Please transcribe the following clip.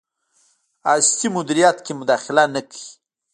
هستۍ مدیریت کې مداخله نه کوي.